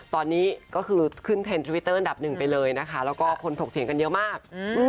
ตอนนี้ก็คือขึ้นเทรนด์ทวิตเตอร์อันดับหนึ่งไปเลยนะคะแล้วก็คนถกเถียงกันเยอะมาก